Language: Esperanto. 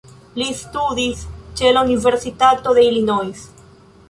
Li studis ĉe la Universitato de Illinois.